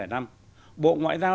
năm hai nghìn năm bộ ngoại giao